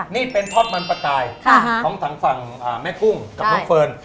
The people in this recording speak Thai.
นี่เป็นท็อตมันประกายของทางฝั่งแม่กุ้งกับน้องเฟิร์น